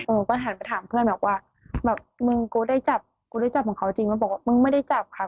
ผมก็หันไปถามเพื่อนแบบว่าแบบมึงกูได้จับของเขาจริงมาบอกว่ามึงไม่ได้จับค่ะ